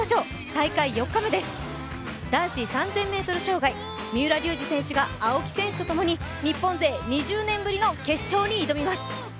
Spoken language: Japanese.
大会４日目です、男子３０００ｍ障害、三浦龍司選手が青木選手とともに日本勢２０年ぶりの決勝に挑みます。